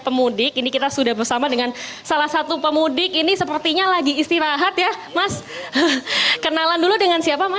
pemudik ini kita sudah bersama dengan salah satu pemudik ini sepertinya lagi istirahat ya mas kenalan dulu dengan siapa mas